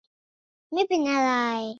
ไม่เป็นอะไร